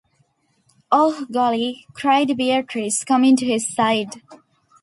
“Oh, golly!” cried Beatrice, coming to his side.